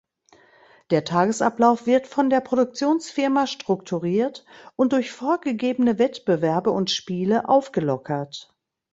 Der Tagesablauf wird von der Produktionsfirma strukturiert und durch vorgegebene Wettbewerbe und Spiele aufgelockert.